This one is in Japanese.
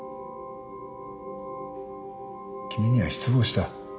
君には失望した。